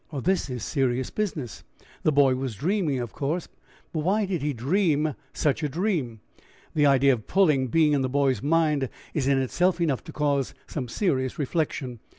"This is serious business. The boy was dreaming, of course; but why did he dream such a dream? The idea of 'pulling' being in the boy's mind is in itself enough to cause serious reflection.